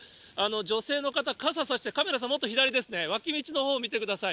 女性の方、傘差して、カメラさん、もっと左ですね、脇道のほう、見てください。